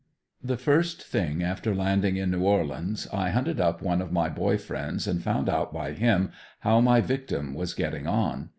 The first thing after landing in New Orleans, I hunted up one of my boy friends and found out by him how my victim was getting on.